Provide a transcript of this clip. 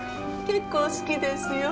結構好きですよ。